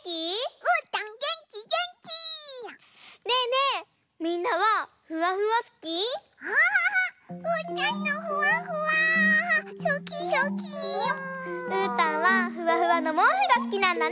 うーたんはフワフワのもうふがすきなんだね。